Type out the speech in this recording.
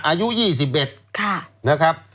อายุ๒๑นะครับ